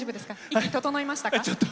息、整いましたか？